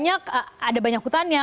ada banyak kotanya